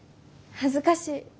恥ずかしい。